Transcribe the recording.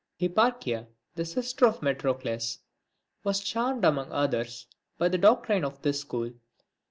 I. HIPPAECHIA, the sister of Metrocles, was charmed among others, by the doctrines of this school.